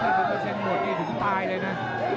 คนวิ่งหมดตอนนี้ถึงตายเลยนะ